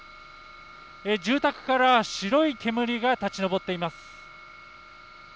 住宅から白い煙が立ち上っています。